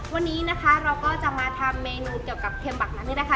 วันนี้นะคะเราก็จะมาทำเมนูเกี่ยวกับเค็มบักนั้นเนี่ยนะคะ